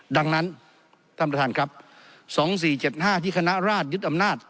ดังนั้นท่านประธานครับ๒๔๗๕ที่คณะราชยึดอำนาจ